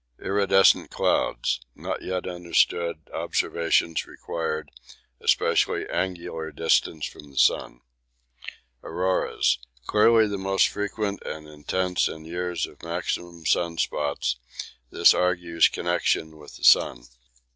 Iridescent Clouds. Not yet understood; observations required, especially angular distance from the sun. Auroras. Clearly most frequent and intense in years of maximum sun spots; this argues connection with the sun.